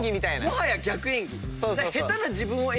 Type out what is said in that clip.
もはや逆演技。